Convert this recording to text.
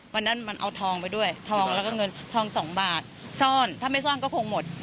วันนั้นมันเอาทองไปด้วยทองแล้วก็เงินทองสองบาทซ่อนถ้าไม่ซ่อนก็คงหมด